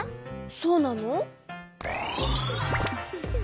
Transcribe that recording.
そうなの？